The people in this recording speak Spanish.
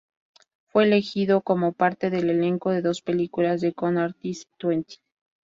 Fue elegido como parte del elenco de dos películas: "The Con Artists" y "Twenty".